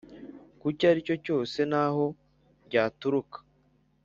kucyo aricyo cyose naho ryaturuka